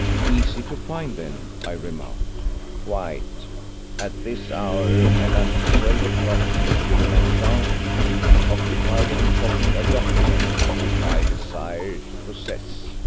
"Easy to find, then," I remarked. "Quite. At this hour and until twelve o'clock, M. de Marsan will be occupied in copying a document which I desire to possess.